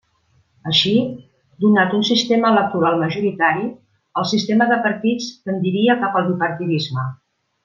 Així, donat un sistema electoral majoritari, el sistema de partits tendiria cap al bipartidisme.